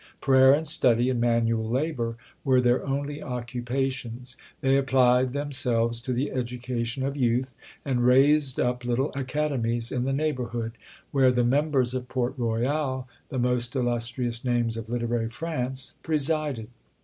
Prayer and study, and manual labour, were their only occupations. They applied themselves to the education of youth, and raised up little academies in the neighbourhood, where the members of Port Royal, the most illustrious names of literary France, presided.